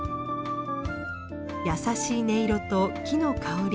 優しい音色と木の香り。